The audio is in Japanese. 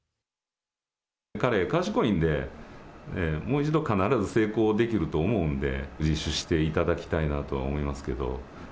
彼、賢いんで、もう一度必ず成功できると思うんで、自首していただきたいなとは思いますけど。